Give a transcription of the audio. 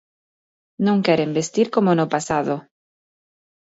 Non queren vestir como no pasado.